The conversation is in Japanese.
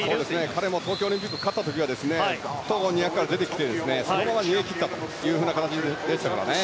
彼も東京オリンピック勝った時は２００ｍから出てきてそのまま逃げ切ったというレースでしたからね。